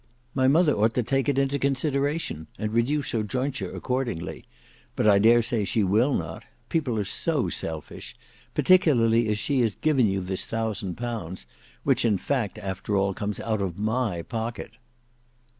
My mother ought to take it into consideration and reduce her jointure accordingly. But I dare say she will not; people are so selfish; particularly as she has given you this thousand pounds, which in fact after all comes out of my pocket."